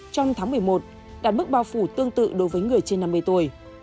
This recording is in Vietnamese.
trong tháng một mươi một đạt mức bao phủ tương tự đối với người trên năm mươi tuổi